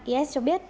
is cho biết